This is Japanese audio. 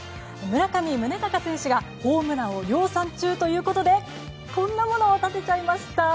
村上宗隆選手がホームランを量産中ということでこんなものを建てちゃいました。